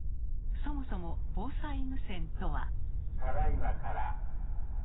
そもそも防災無線とは。